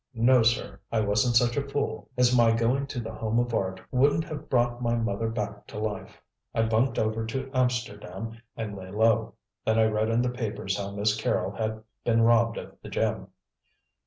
No, sir; I wasn't such a fool, as my going to The Home of Art wouldn't have brought my mother back to life. I bunked over to Amsterdam and lay low. Then I read in the papers how Miss Carrol had been robbed of the gem."